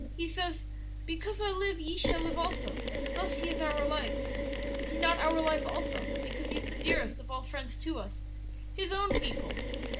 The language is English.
He says, 'Because I live, ye shall live also;' thus He is our life. Is He not our life also because He is the dearest of all friends to us His own people?"